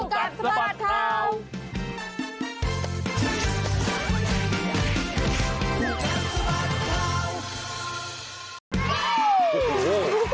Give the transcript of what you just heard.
คู่กับสบัติครัว